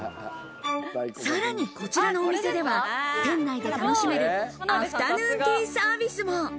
さらに、こちらのお店では店内で楽しめるアフタヌーンティーサービスも。